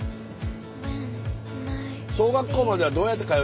小学校まではどうやって通ってたの？